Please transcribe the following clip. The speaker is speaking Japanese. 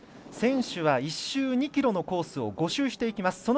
選手は１周２ｋｍのコースを５周していきます。